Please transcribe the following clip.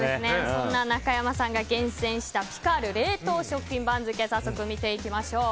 そんな中山さんが厳選したピカール冷凍食品番付早速見ていきましょう。